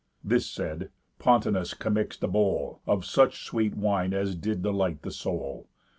This said, Pontonous commix'd a bowl Of such sweet wine as did delight the soul.